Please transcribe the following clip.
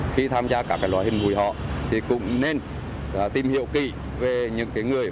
khi tham gia các loại hình hụi họ thì cũng nên tìm hiệu kỳ về những người